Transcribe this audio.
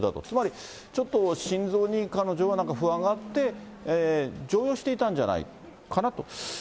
つまり、ちょっと心臓に彼女はなんか不安があって、常用していたんじゃないかなと。